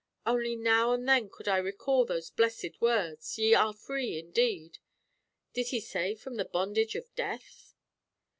Only now and then could I recall those blessed words, 'Ye are free indeed.' Did he say from the bondage of death?"